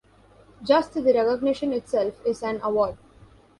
Just the recognition itself is an award.